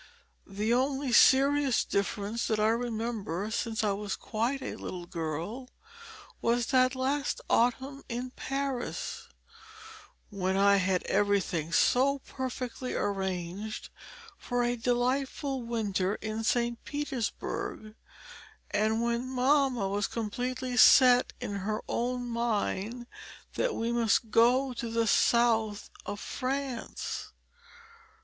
The only serious difference that I remember since I was quite a little girl was that last autumn in Paris; when I had everything so perfectly arranged for a delightful winter in St. Petersburg, and when mamma was completely set in her own mind that we must go to the south of France.